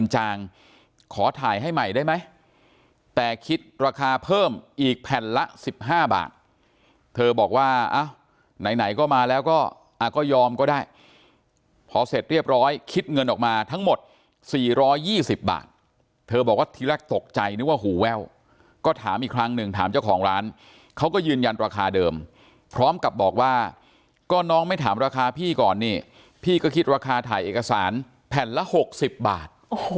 ไหมแต่คิดราคาเพิ่มอีกแผ่นละสิบห้าบาทเธอบอกว่าอ้าวไหนก็มาแล้วก็อ่าก็ยอมก็ได้พอเสร็จเรียบร้อยคิดเงินออกมาทั้งหมดสี่ร้อยยี่สิบบาทเธอบอกว่าทีแรกตกใจนึกว่าหูแววก็ถามอีกครั้งหนึ่งถามเจ้าของร้านเขาก็ยืนยันราคาเดิมพร้อมกับบอกว่าก็น้องไม่ถามราคาพี่ก่อนนี่พี่ก็คิดราคาถ่